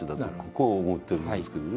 こう思っておりますけれどね。